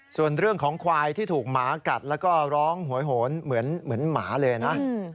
ส่วนเรื่องของควายที่ถูกหมากัดแล้วก็ร้องหวยโหนเหมือนหมาเลยนะ